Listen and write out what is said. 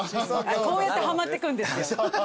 こうやってはまってくんですよ。